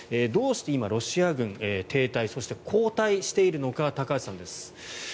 どうして今、ロシア軍停滞そして後退しているのか高橋さんです。